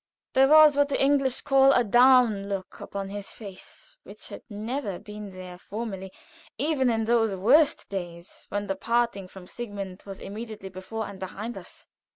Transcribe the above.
There was what the English call a "down" look upon his face, which had not been there formerly, even in those worst days when the parting from Sigmund was immediately before and behind us.